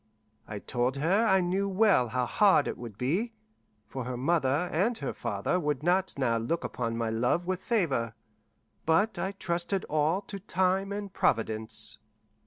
I told her I knew well how hard it would be, for her mother and her father would not now look upon my love with favour. But I trusted all to time and Providence.